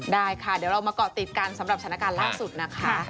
ได้ค่ะเดี๋ยวเรามาเกาะติดกันสำหรับสถานการณ์ล่าสุดนะคะ